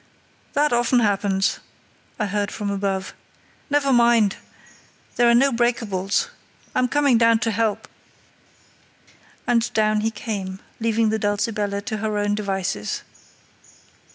"That often happens," I heard from above. "Never mind! There are no breakables. I'm coming down to help." And down he came, leaving the Dulcibella to her own devices.